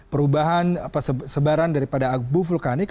perubahan sebaran daripada abu vulkanik